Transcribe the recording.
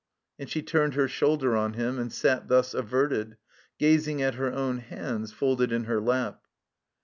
And she turned her shoulder on him and sat thus averted, gazing at her own hands folded in her lap.